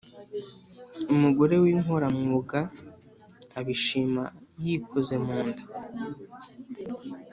Umugore w’inkoramwuga, abishima yikoze mu nda.